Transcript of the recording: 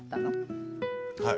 はい。